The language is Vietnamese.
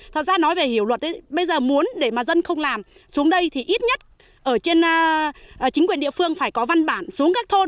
thật ra nói về hiểu luật bây giờ muốn để mà dân không làm xuống đây thì ít nhất ở trên chính quyền địa phương phải có văn bản xuống các thôn